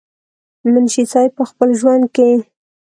منشي صېب پۀ خپل ژوند کښې